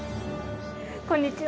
こんにちは。